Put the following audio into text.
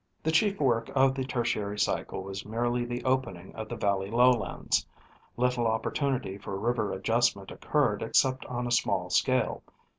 The chief work of the Tertiary cycle was merely the opening of the valley lowlands ; little opportunity for river adjustment occurred except on a small scale.